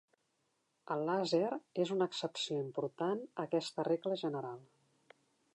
El làser és una excepció important a aquesta regla general.